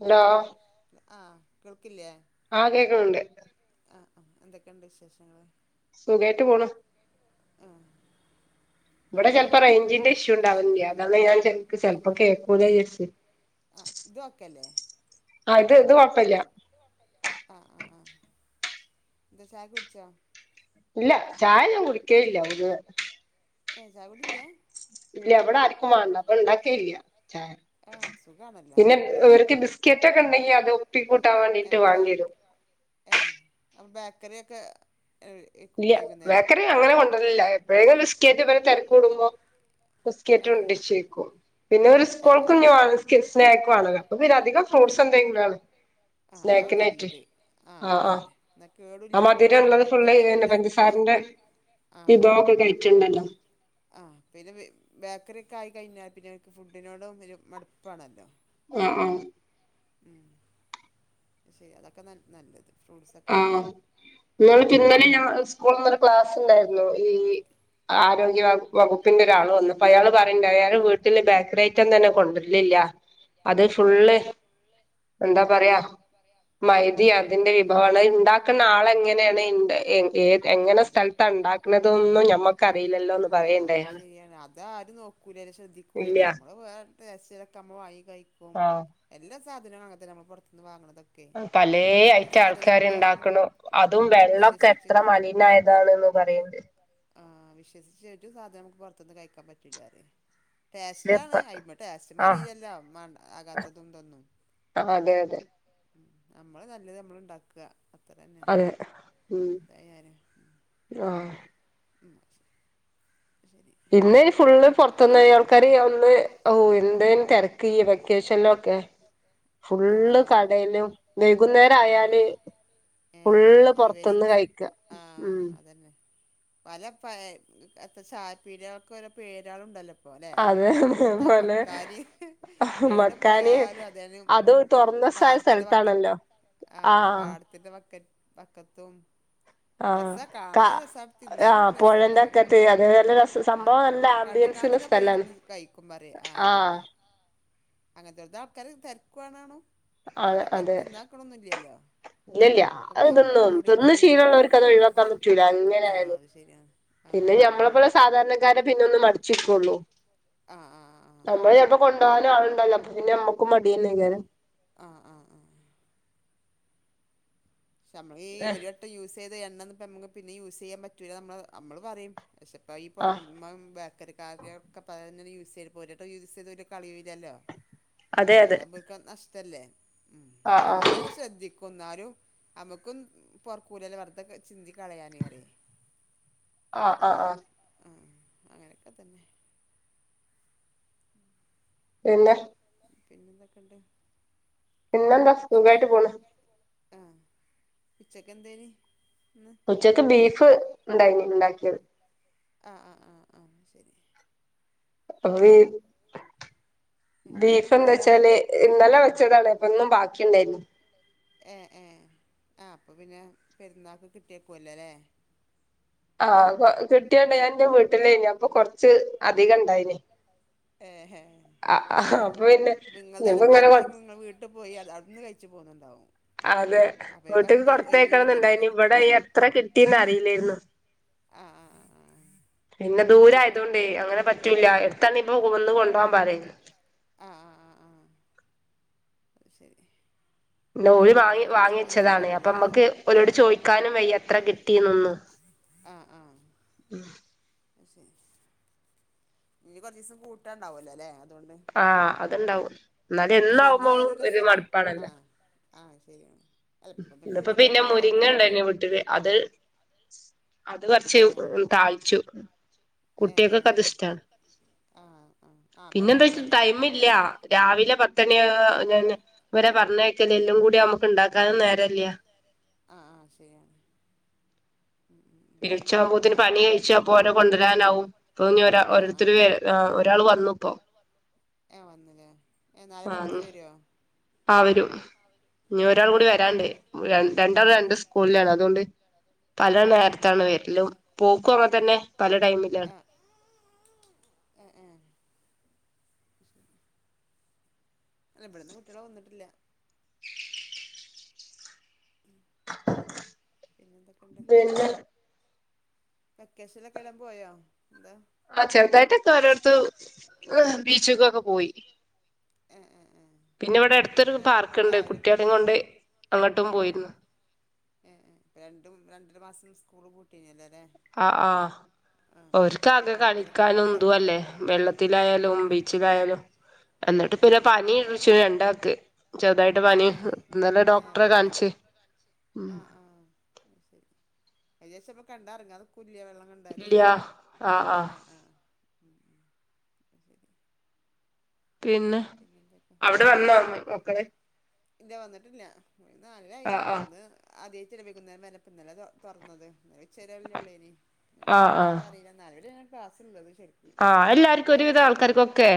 Hello ആ കേൾക്കില്ലേ ആ കേക്ക്ണ്ണ്ട് ആ ആ ന്തൊക്കെണ്ട് വിശേഷങ്ങള് സുഖായിട്ട് പോണു ആ ഇവിടെ ചെൽപ്പോ റേഞ്ചിന്റെ ഇഷ്യൂ ഉണ്ടാവൽണ്ട് അതാണ് ഞാൻ ച ചെൽപ്പോ കേൾക്കൂലെ വിജാർച്ച് ആ ഇതോക്കല്ലേ അത് ഇത് കൊഴപ്പില്ല ആ ആ ആ ന്താ ചായ കുടിച്ചോ ഇല്ല ചായ ഞാൻ കുടിക്കേല്ല പൊതുവെ എ ചായടില്ലാ ഇല്ല ഇവിടെ ആർക്കും വാണ്ട പ്പണ്ടാക്കേല ഇൽയ ആഹ് സുഖാണല്ലോ പിന്നെ ഇവർക്ക് ബിസ്ക്കറ്റൊക്കെണ്ടെങ്കി അത് ഒപ്പിക്കൂട്ടാൻ വേണ്ടിട്ട് ഏഹ് ബേക്ക് വാണ്ട്യരും. ഏഹ് അപ്പം ബേക്കറിയൊക്കെ [unintelligible] ഇല്ല വൈകുന്നേരം ബേക്കറി അങ്ങനെ കൊണ്ടര്ലില്ല എപ്പോഴങ്കിലും സ് കേറ്റ് വരെ തെരക്കൂടുമ്പോ ബിസ്കറ്റ് ഏഹ് കൊണ്ടര്ച്ചിക്കും പിന്നെ ഓല് ഏഹ് സ്കൂൾക് ഏഹ് ഇഞിവാണസ്കിൽ സ്നാക്ക് വാണല്ലോ അപ്പൊ പിന്ന അധികം ഫ്രൂട്ട്സ് എന്തെങ്കിലാ ആഹ് അതാണ് സ്നാക്കിനായ്റ്റ് നല്ലത് ആഹ് ആഹ് അതന്നെ എന്നാ ആ കേടുല്ല കുട്ടികൾക്ക് മധുരള്ളത് മറ്റേ ഫുള്ള് ഫുഡ് എന്നെ കഴിക്ക പഞ്ചസാരന്റെ ആഹ് വിഭവൊക്കെ കഴിച്ച്ണ്ടല്ലോ ആഹ് പിന്നെ ബേക്കറി ഒക്കെ ആയി കഴിഞ്ഞാൽ പിന്നെ അവക്ക് ഫുഡിനോടും ഒരു മടുപ്പാണല്ലോ [unintelligible] ഉം ശെ അതൊക്കെ ന നല്ലത് ഫ്രൂട്ട്സൊക്കെ ആഹ് ഉം ഇങ്ങള് [unintelligible] സ്‌കൂൾ ഇന്നൊരു ക്ലാസ്ണ്ടായിരുന്നു ഈ ആരോഗ്യവ വകുപ്പിന്റെ ഒരാള് വന്നു. അപ്പൊ അയാള് പറയിണ്ട് അയാളെ വീട്ടില് ബേക്കറി ഐറ്റം തന്നെ കൊണ്ടര്ലില്ല അത് ഫുള്ള് എന്ത പറിയാ എന്താ പറയാ മൈദിം അതിന്റെ വിഭവണ് ണ്ടാക്ക്ണ ആൾ എങ്ങനെയാണ്എ ഏത് ആ എങ്ങനെ സ്ഥലത്താണ്ടാക്കണതും നമ്മക്ക് ആഹ് അത് ശരിയാണ് അതാരും നോക്കൂലലൊ ശ്രദ്ധിക്കൂലല്ല ഇല്ല നമ്മള് വേ പാർസലൊക്കെ നമ്മ വാങ്ങികഴിക്കും. ആ എല്ല സാധനങ്ങളും അങ്ങനതന്ന നമ്മൾ പുറത്തത്ത്ന്ന് വാങ്ണതൊക്കെ പലേ ഐറ്റ ആൾക്കാരുണ്ടാ ഉം ണ്ടാക്ക്ണും അതും വെള്ളക്കെ വിശ്വസിച്ച് എത്ര മലിനായതാണ്ന്ന് പറയണ്ട് ആഹ് വിശ്വസിച്ച് ഒരു സാധനം നമുക്ക് പുറത്തുന്ന് കഴിക്കാൻ പറ്റില്ല ആരെ പക്ഷെ ടേസ്റ്റാണ് ഇപ്പ അയ്മ ആഹ് ടേസ്റ്റിമറീലല്ലോ മാണ്ട് ആകാത്തതും ഇതൊന്നും അതെ അതെ നമ്മള് നല്ലത് നമ്മളുണ്ടാക്ക അതെ ഉം ഇതായാലും ആഹ് [unintelligible] ശരി ഇന്നയ്ന് ഫുള്ള് പൊർത്ത്ന്ന് ഈ ആൾക്കാര് ഒന്ന് ഓഹ് എന്തേനി തെര് കീ വെക്കേഷൻലൊക്കെ ആ ഫുള്ള് ആ കടെയലും വൈകുന്നേരായാല് ഏഹ് ഈവനിംഗ്‌സ് ആഹ് ഉം അതന്നെ പല പ ചായപ്പീടീകൾക്കൊരോ പേരേളുണ്ടല്ലോ ഇ പോലെ അതെ എതോ അതേപോലെ മക്കാര് എവിടെ മക്കാന് പോയാലും അതന്നെ അത് ഉം തൊറന്ന സ്ഥ പാട് ത്തിന്റെ സ്ഥലത്താണല്ലോ വക്കറ്റും ആഹ് പാടത്തിന്റെ വക്കറ്റ് വക്കത്തും ആഹ് രസ ക കാണാനും രസ തിന്നാനും ആഹ് രസാണ് പുഴന്റെ അക്കത്ത് അത് നല്ല രസ സംഭവം ആഹ് നല്ല അ കണ്ട് ആംബിയൻസുള്ള [unintelligible] സ്ഥലാണ് പോയിരുന്ന് കഴിക്കുമ്പറേ ആഹ് അതന്നെ അങ്ങനത്തോൽത് ആൾക്കാര് തെര്ക്കുവാണാണും ഇന്നാലും ആൾക്കാര്പ്പ തിന്നാക്ക്ണ് ഒന്നുയില്ലല്ലോ ഇല്ലില്ല അത് തിന്നും. തിന്ന് ശീലള്ളൊര് ക്കത് ആ ഒഴിവാക്കാൻ പറ്റൂല ആ അങ്ങനെയായാലും. അത് ശരിയാണ് ആ പിന്നെ ആ ഞമ്മളെപ്പോലെ ആ സാധാരണക്കാരെ പിന്നെ ഒന്ന് മടി ച്ചികൊള്ളു ആഹ് ആഹ് ആഹ് ആഹ് നമ്മളെ ചെലപ്പോ കൊണ്ടോവാനും ആളുണ്ടാവില്ല അപ്പോപ്പിന്നെ നമ്മക്കും മടിയന്നെയ്ക്കാരം ആഹ് ആഹ് ആഹ് പക്ഷെയമ്മളീ ഏഹ് ഒരു വട്ടം യൂസ് ചെയ്ത എണ്ണന്നു പ്പമ്മക്ക് പിന്നെ യൂസ് ചെയ്യാൻ പറ്റൂല നമ്മളെ നമ്മള് പറയും വെശപ്പായി ഈ [unintelligible] ബേക്കറിക്കാരെ ക്കപ്പ അതന്നല്ലെ യൂസെയ്ത് ഇപ്പ ഒരുവട്ടം യൂസ് ചെയ്ത് [unintelligible] അതെ അതെ അങ്ങനാവുമ്പം ഓൽക്ക നഷ് തല്ലേ ഉം ആഹ് ആഹ് അമ്മളന്നെ ശ്രദ്ധിക്കും ഇന്നാലും അമക്കും പൊർക്കൂലല്ലോ വറുതെക്കെ ചിന്തിക്കളയാനറിയെ ആഹ് ആഹ് ആഹ് ആഹ് അങ്ങനക്കെ തന്നെ പിന്നെ പിന്നെന്തക്കെണ്ട് പിന്നെന്താ എന്താ സുഖായിട്ട് പോണ് ആ ഉച്ചക്കന്തേനി ഉച്ചക്ക് ബീഫ് ഉണ്ടായിനി ഉണ്ടാക്കിയത്. ആ ആ ആ ആ ശരി ആഹ് ബീഫെന്ത് വെച്ചാല് ഇന്നലെ ഉം വെച്ചതാണ് ഇപ്പൊന്നും ബാക്കിയിണ്ടായിരുന്നു. ഏ ഏ ആ അപ്പപ്പിന്നെ പെരുന്നാക്ക് കിട്ടിയേക്കുലല്ലേ ആഹ് കിട്ടിയണ്ട് ഞാനെന്റെ വീട്ടിലനി അപ്പൊ കൊറച്ച് അധികയിണ്ടായിന്. ഏഹേ അത് ആഹ് ശരി അപ്പൊ പിന്നെ നിങ്ങളത് അവിടെ ഇനിപ്പോ ഇങ്ങനെ പത് കൊ വച് നിങ്ങൾ വട് ട്ട പോയി അത് അവിടുന്ന് കഴിച്ചു പോന്നുണ്ടാവും അതെ അപ്പൊ ഇനി വീട്ടേക്ക് വെക്ക ഒഴിവ് കഴിഞ്ഞല്ലല്ലേ കൊടുത്തായാക്കണോന്നിനിണ്ടായിനി ഇവിടെ എത്ര കിട്ടിന്ന് അറിയില്ലായിരുനു ആ ആ ആ ആ പിന്നെ ദൂരായത് കൊണ്ടേ അങ്ങനെ പറ്റൂല്ല എടുത്തണ ഇപ്പൊന്ന് കൊണ്ടുപോവാൻ പറയും. ആഹ് ആഹ് ആഹ് ആഹ് അത് ശരി ല്ല ഓര് പിന്നെ വാങ്ങി കുറച്ച് വാങ്ങി ദിവസം ബീഫ് വെച്ചതാണ് ഉണ്ടാവുമല്ലോ അപ്പ അല്ലേ മ്മക്ക് ഓരോട് ആഹ് ചോദിക്കാനും വയ്യ എത്ര കിട്ടിന്നൊന്നും ആഹ് ആഹ് [inaudible] [unintelligible] ഇനി കൊറച്ചിസം പുട്ടാണ്ടാവല്ലോലെ അതുകൊണ്ടേ ആഹ് അത്ണ്ടാവും എന്നാലും പക്ഷെ എന്നും ആവുമ്പോളും ആയാലൊരു ഒരു രസല്ല ആ മടുപ്പാണല്ലോ ആ ശരിയാണ് അല്ല ഇപ്പം ഇവിടിപ്പോ ഫ്രിഡ്ജൊക്കെ പിന്നെ ഉള്ളത് കൊണ്ട് നമുക്ക് മുരിങ്ങയുണ്ടായിരുന്നെ വീട്ടിലെ അത് അത് കൊറച്ച് താഴ്ിച്ചു ഏ ആഹ് ആഹ് ആഹ് പിന്നെ ഇബടിം എന്താ അങ്ങനെ വെച്ച തന്നെയാണ് ടൈമ ഇല്ല രാവിലെ പത്തണിയ ഇരെ പറഞ്ഞ കേക്കല് എല്ലും കൂടി നമുക്ക് ഉണ്ടാക്കാും നേരല്ല ആ ആ ശരിാണ് [inaudible] തീർച്ചാകുംപോതിന്. പണി കഴിച്ച അപ്പോൊ ഓോ കൊണ്ടുവരാനാവും ഇപ്പൊ ഇ ഒ ആഹ് ഓോത്തരു ആഹ് വ ഒരാൾ വന്നു ഇപ്പോൊ ഏ വന്നില്ലേ ഏ നാലര പത്ത് ആഹ് പേരോ ആ വരൂ ഇ ഏഹ് ഒരാൾ കൂടി ഏഹ് വരാണ്ട് രണ്ടാൾ ഏഹ് രണ്ട് സ്കൂളിലാണ് അതുകൊണ്ട് പല ആഹ് നേരത്താണ് വരിലും പോക്കും അങ്ങ തന്നെ പല ടൈമിലാണ് ഏ ഏ [inaudible] അെവിടന്നും കുട്ടികളെ വന്നിട്ടില്ല [inaudible] പിന്നെ എന്തൊക്കെയുണ്ട് പിന്നെ വെക്കേഷനൊക്കെ എവടെ പോയോ എന്താ ആ ചെറുതായിട്ട് രോടുത്ത ബീച്ചക്കൊക്കെ പോയി ഏ ഏ ഏ പിന്നെ ഇവിടെ അത് അടുത്തൊരു പിന്നെ പാർക്ക്ുണ്ട് രാവിലെ പോയി കുട്ടികളെും കൊണ്ട് അങ്ങോട്ടും പോയിരുന്നു ഏ് രണ്ടും രണ്ടര മാസം സ്കൂള് പൂട്ടി കഴഞ്ഞല്ലേ അല്ലേ ആ ആ ഒക്ക്ാകെ എവിടേക്കേലൊക്കെ കളിക്കാന പോണ്ടേ എതുും അല്ലേ ആ ആ വെള്ളത്തിലായാലും അതന്നെ ബീച്ചിലായാലും എന്നിട്ട് ആ പിന്നെ ആ പനി പിടിച്ചു രണ്ടാക്ക് ചെറുതായിട്ട് ഏ പനി നല്ല ഏ ഡോക്ടറെ വെള്ള കാണിിച്ചു ഉ ആ ആ ശരി ഏകദേശംപ്പ കണ്ടാറങ്ങ അത് കുല്ലിയ വെള്ളം ക ഇല്ല എന്തരേഹ് ആ ആ ആഹ് ആഹ് പിന്നെ പിന്നെന്തൊക്കെ അവിടെ വന്നോന്ന് മക്കള് ഇല്ല വന്നിട്ടില്ലല്ല [unintelligible] ആ ഇപ്പം ഇന്ന് [unintelligible] ഇന്നലെ തൊറന്നത [unintelligible] ഉള്ളേനി ആ ആ ടൈമിനെ ആ എപ്പോഴാ അറിയില്ല നാലരേരാണ് ക്ലാസ്ള്ളത് ആഹ് എല്ലാര്ക്കു ഒരുവിധം ആൾക്കാര്ക്കൊക്കെ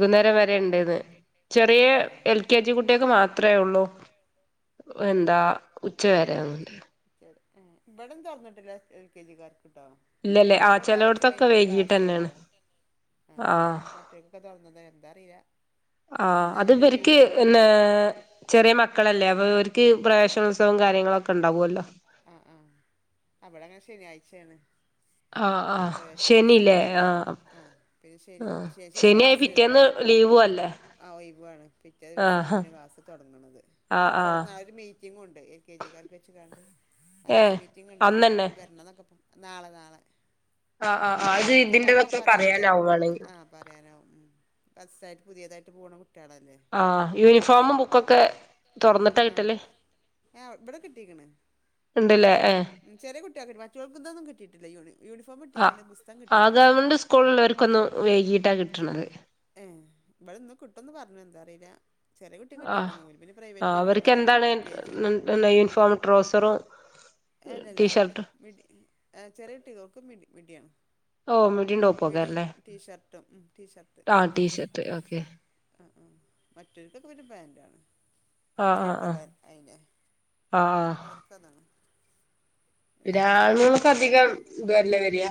ഉം വരെ രേണ്ടേന്ന് ചെറിയ ആഹ് ആഹ് എൽകെ കേജി കുട്ടിയക്ക് മാത്രേ ഒള്ളൂ എന്താ ഉച്ചവരെ [unintelligible] വ്ടെം തൊറന്നിട്ടില്ല എൽ കെ ജിക്കാർക്ക് ട്ടോ ഇല്ലല്ലേ ആ ഒരാഴ്ച ചെലോടത്തൊക്കെ കഴിഞ്ഞിട്ട് വൈകീട്ടന്നെയാണ് ക്ലാസ്സൊള്ളു ആഹ് ചെങ്ക തൊറന്നുന്നേ എന്താറിയുല ആഹ് അതിബര്ക്ക് എന്നെ ചെറിയ മക്കളല്ലേ അപ്പൊ ഇവര്ക്ക് പ്രവേശനോത്സവം ആഹ് കാര്യങ്ങളൊക്കെണ്ടാവുവല്ലോ ആഹ് ആഹ് അവിടെങ്ങനെ ശനിയാഴ്ചയാണ് ആഹ് ആഹ് പ്രവേശനോത്സവം ശനില്ലേ പിന്നെ ആഹ് പിന്നെ ശനി ആഹ് ശനിയാഴ്ച ശനിയായ പിറ്റേന്ന് ലീവു അല്ലേ ആ ഒയിവാണ് പിറ്റേ ആഹ് ദിവസാന്നെ ക്ലാസ് തുടങ്ങ്ണത് ആഹ് ആഹ് പിന്നെപ്പാത്ത് നാളൊരു മീറ്റിങ്ങോണ്ടെ കെ ജിക്കാർക്ക് വെച്ച്കാണ്ട് അതെ ഏഹ് മീറ്റിംഗ്ണ്ട് അന്നന്നെ അപ്പന്തായാലും വരണന്നക്കെ പ നാളെ നാളെ ആഹ് ആഹ് ആഹ് അത് എന്തെ കാര്യങ്ങളൊക്കെ ഇതിന്റെതൊക്കെ പറയാനായിക്കാല പറയാനാവും വേണെങ്കി ആഹ് പറയാനാവും ഉം ഫസ്റ്റായിട്ട് പുതിയതായിട്ട് പോണ കുട്ട്യളല്ലേ ആഹ് യൂനിഫോമും ബുക്കൊക്കെ തൊറന്നിട്ടാ കിട്ടല് ആഹ് ആഹ് ഇവിടെ കിട്ടിയേക്കണ് ഇണ്ടല്ലേ ചെറ്യ കുട്ട്യാക്കിട്ടി മറ്റോൾക്കിതൊന്നും കിട്ടീട്ടില്ല യുണി യൂണിഫോം കിട്ടീക്കണ്ട് പുസ്തകം കിട്ടീട്ടില്ല പിള്ളേർക്കൊന്നു വെയ്യീട്ടാ കിട്ടണത് ഏഹ് ഇവിടെന്ന് കിട്ടുന്ന് പറഞ്ഞു എന്താറീല്ല ചെറ്യ കുട്ടി ആഹ് കിട്ടീക്ക്ണ് ഓര് പിന്നെ ആഹ് പ്രൈവറ്റായി അവർക്ക് കൊണ്ടല്ലോ എന്താണ് എൽ കെ ജി യൂണിഫോം ട്രൗസറും എല്ലല്ല ടീഷർട്ടും മിഡി ചെറിയ ഇട്ടി ഓക്ക് മിടി മിടിയാണ് ഓഹ് മിഡിയും വിടി ടോപ്പുമൊക്കെയാല്ലേ ടീഷർട്ടും ഉം ടീഷർട് ടീ ഷർട്ട് ഓക്കെ ആഹ് ആഹ് മറ്റോര്ക്കെക്കെ പിന്നെ പാന്റാണ് ആഹ് ആഹ് വല്യട്ടള ആഹ് അയിന്റെ ആഹ് ആഹ് അവര്ക്കതാണ് രാണുങ്ങള്ക്കധികം ഇതുവല്ലേ വരിയാ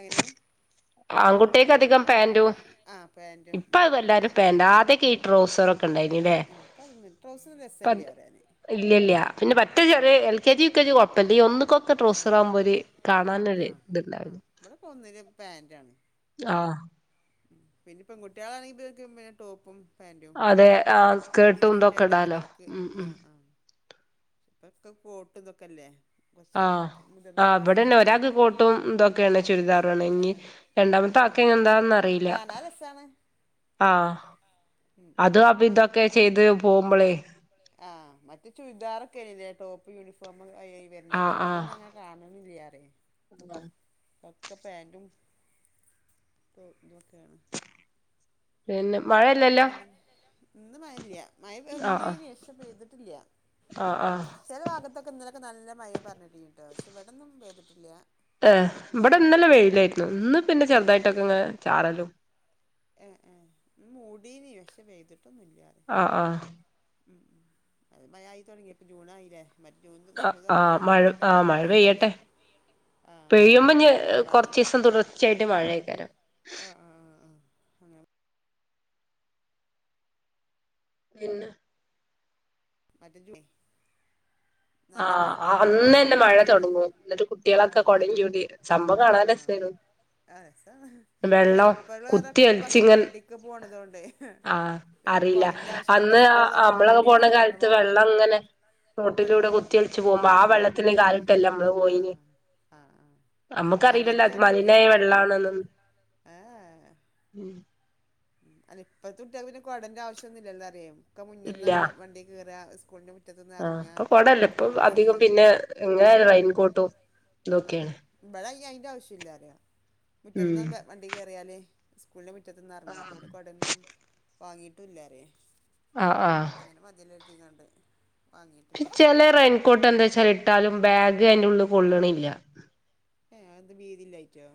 എങ്ങനെ ആൺകുട്ട്യക്കധികം പാന്റു ആഹ് പാന്റും ഉം ഇപ്പതെല്ലാരും ഇതന്നെ പാന്റാ ആതികി ട്രോസറൊക്കെ ഉണ്ടായിനില്ലേ ആഹ് ഇപ്പം അതൊന്നും ട്രൗസർ രസല്ല പറയാന് ഇല്ല്യല്ല പിന്നെ പറ്റേ ഉം ചെലെ ഉം L K G U K G കൊപ്പല്ല ഈ ഒന്ന്ക്കൊക്കെ ആഹ് ഡ്രോസറാവുമ്പോ ഒര് കാണാനൊര് ആഹ് ഇത്ണ്ടാവും ആഹ് ഇവിട്പ്പൊന്നില് പാന്റാണ് ആഹ് പിന്നെ പെംകുട്ടികളാണെങ്കിപ്പ്ത്ക്ക് മേ ടോപ്പും പാന്റു അതെ ആഹ് [unintelligible] സ്കേർട്ടും ചെറിയ ഇതൊക്കെ കുട്ട്യായിട്ടേക്കാറോ ഇടാലോ ഒര്ക്ക് ഉം ഉം ആഹ് ആഹ് ഇപ്പൊക്കെ കോട്ട് ഇതൊക്കെല്ലേ കൊറച്ച് ആഹ് മുതിർന്ന ആഹ് ഇവിടെന്നെ ക്ലാസ്സിലൊക്കെ ഒരാൾക്ക് കോട്ടും ഇതൊക്കെയാണ് ചുരിദാറുവാണിന്നി ആഹ് രണ്ടാമത്തെ ആഹ് ആൾക്ക് എന്താന്നറിയില്ല കാണാൻ രസാണ് ആഹ് ഉം ഉം അത് ഉം അബീതൊക്കെ ചെയ്ത് പോവുമ്പോളെ ആഹ് മറ്റേ ചുരിദാറൊക്കെണല്ലേ ടോപ്പ് യൂണിഫോം അയ്ആയി വെര്ണത് ആഹ് ഇപ്പൊ ആഹ് അതൊന്നും അങ്ങനെ കാണ്ന്നില്യാര്ക്കു [inaudible] കക്ക പാൻറും ഇതൊക്കെയാണ് പിന്നെ മഴയല്ല പിന്ന ഇന്ന് മല്ല മഴ ആഹ് ഒന് രക്ഷ പെയ്തിട്ടില്ല ആഹ് ആഹ് ചെല ഭാകത്തൊക്കെ ഇന്നലൊക്കെ നല്ല മഴ പറഞ്ഞിട്ടി ട്ടോ പക്ഷെ ഇവിടൊന്നും പെയ്തിട്ടില്ല ഏഹ് ഇവിടെ ഇന്നല വെഴിയിലായിരുന്നു ഇന്ന് പിന്നെ ചെറുതായിട്ടൊക്കെ ഇങ്ങ ചാറലും ഏഹ് ഏഹ് ഇന്ന് മൂടീന് പക്ഷെ പെയ്തിട്ടൊന്നുല്ല്യാ ആഹ് ആഹ് ഉം ഉം അതേ മഴ ആയി തുടങ്ങിയപ്പ ജൂണയില്ലേ മറ്റ ജൂണിൽ ആഹ് സ്കൂൾ തുറക്കണ ആഹ് മഴ ടൈമിലൊക്കെ ആഹ് എന്തൂരം മഴ മായണ്ടാലേ പെയ്യട്ടെ പെയ്യുമ്പോ ആഹെ ഇഞ്ഞ് അല്ല കൊറച്ചീസം തുടർച്ചയായിട്ട് മഴേക്കാരം ആഹ് ആഹ് ആഹ് ആഹ് അഹ് പിന്നെ [unintelligible] നല്ല ആഹ് മഴണ്ടല്ലോ അന്നന്നെ മഴ അറ തൊടങ്ങും എന്നിട്ട് കുട്ടികളൊക്കെ ആഹ് കൊടേം ആഹ് ചൂടി സംഭവം കാണാൻ ആഹ് രസേനു അസ വെള്ളം ശരിപ്പോൾ കുത്തി വേറെൊക്കെ ഒലിച്ചിങ്ങൻ വണ്ടിക്ക് പോണതോണ്ട് ആഹ് ന്ന അറിയില്ല കോടന്റെ ആവശ്യം മറ്റു സ്കൂള് തുറക്കുമ്പോ കൊടിം വണല്ലോ അ വെള്ളം അങ്ങനെ നോട്ടിലൂടെ കുത്തിയലിച്ചച്ച് പോകുമ്പോ ആ ഉം വെള്ളത്തിന്റെ കാലട്ടല്ലേ നമ്മള് പോയിന് ആഹ് ആഹ് ആഹ് ഇപ്പ അമ്മക്കറില്ലല്ലോ അത് മലിനായ വെള്ളാന്നൊന്നും ആഹ് ഏഹ് ഏഹ് ഉം അല്ല ഇപ്പത കുട്ടിൾക്ക് പിന്നെ കുടൻന്റെ ആവശ്യ ഒന്നില്ലല്ലാ അറിയാം ഒക്ക ഇല്ല മുന്നന്നാണ് വണ്ടിക്ക് കയറുക സ്കൂളി ആഹ് ഇപ്പൊ മിറ്റതെന്ന്റങ്ങാം കൊടല്ല ഇപ്പൊ അധികം അങ്ങനെണ് പിന്നെ എങ്ങനെ റെയിൻകോട്ടും ആഹ് ഇതൊക്കെയാണ് ഇവിടെ അതിൻ്റെ ആവശ്യമില്ല അരോ ഉം മുറ്റത്തുനിന്ന് വണ്ടി കയറിയാലൽേ സ്കൂളൻ് മുറ്റത്ത്നിന്ന് ഇറങ്ങാം അപ്പ അവിടൊന്നും വാങ്ങിയിട്ടല്ലറേ ആഹ് ആഹ് അങ്ങനെ മതിയിലരുതിങ്ങാണ്ട് ചെല റെയിൻകോട്ട് എന്താച്ചാൽ ഇട്ടാലും ബാഗ് അതിന്റെ ഉള്ളിൽ കൊള്ളണില്ല ഏഹ് അത് വീതില്ലായിറ്റോ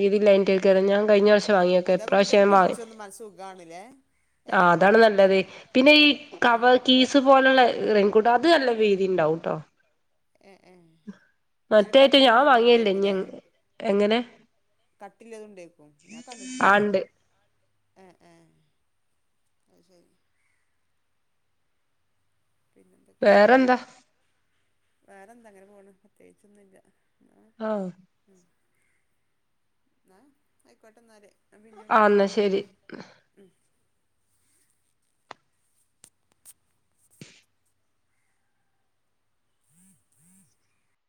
വീധിലായിട്ടേക്കരം ഞൻ കഴിഞ്ഞ വർഷം വാങ്ങിയൊക്കെ അതപ്പൊ ഇപ്രാവശ്യം കുട്ട്യാക്ക് ഞാൻ വാങ്ങി പിടിച്ചൊന്നും മന സുഖാണ്ല്ലേ ആഹ് അതാണ് നല്ലത് പിന്നെ ഈ ഏഹ് കവർ കീസ് പോലുള്ള ഇററെൻകൂട്ടം അത് നല്ല വീതി ഉണ്ടാവുംട്ടോ ഏയ് ഏഹ് അയ്ന് മറ്റേറ്റം കട്ടില ഞാൻ മോഡല വാങ്ങിയല്ലേ ഇനി ഉണ്ടേക്കൂല്ലേ എങ്ങനെ കട്ടില്ലത്ണ്ടേക്കും ഞാൻ കണ്ടിട്ടില്ല ആണ്ട് ഏഹ് ഏഹ് ആയ്ശരി പിന്നെന്തൊക്കെണ്ട് വേറെന്താ വേറെന്താ അങ്ങനെ പോണ് പ്രത്യേകിച്ചൊന്നുല്ല ആഹ് ന്നാ ആയിക്കോട്ടന്നല് ഞൻ പിന്നെ ആഹ് എന്നാ ശരി വിളിക്കന്ന [inaudible]